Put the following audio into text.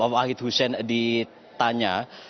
wai tusein ditanya